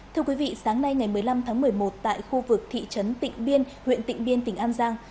thưa quý vị sáng nay ngày một mươi năm tháng một mươi một tại khu vực thị trấn tịnh biên huyện tịnh biên tỉnh an giang